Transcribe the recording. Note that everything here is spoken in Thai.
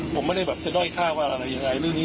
ผมไม่ได้แบบจะได้ค่าว่าอะไรอย่างไร